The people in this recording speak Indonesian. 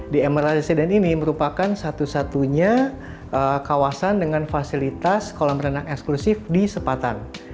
di emerald recident ini merupakan satu satunya kawasan dengan fasilitas kolam renang eksklusif di sepatan